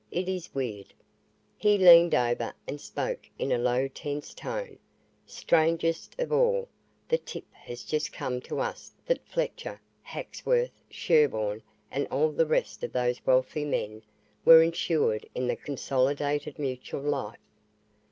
It is weird." He leaned over and spoke in a low, tense tone. "Strangest of all, the tip has just come to us that Fletcher, Haxworth, Sherburne and all the rest of those wealthy men were insured in the Consolidated Mutual Life.